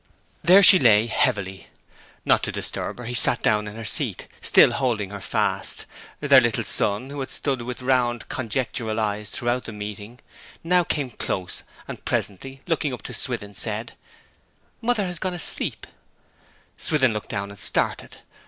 There she lay heavily. Not to disturb her he sat down in her seat, still holding her fast. Their little son, who had stood with round conjectural eyes throughout the meeting, now came close; and presently looking up to Swithin said 'Mother has gone to sleep.' Swithin looked down, and started.